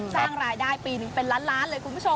สร้างรายได้ปีหนึ่งเป็นล้านล้านเลยคุณผู้ชม